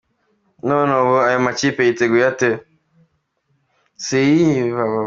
None ubu ayo makipe yiteguye ate?.